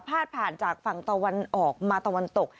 ผ่านจากฝั่งตะวันออกมาตะวันตก